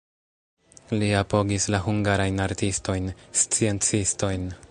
Li apogis la hungarajn artistojn, sciencistojn.